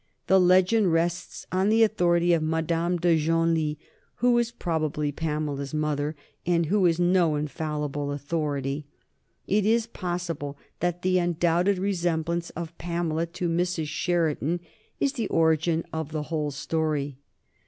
The legend rests on the authority of Madame de Genlis, who was probably Pamela's mother and who is no infallible authority. It is possible that the undoubted resemblance of Pamela to Mrs. Sheridan is the origin of the whole story.